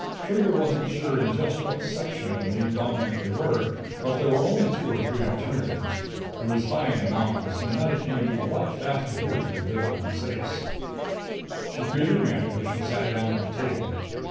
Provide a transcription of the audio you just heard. Trigger wasn't sure in just what section of the main continent they were; but there were only two or three alternatives it was high in the mountains, and night came a lot faster here than it did around Ceyce. She greeted Mantelish and sat down at the table.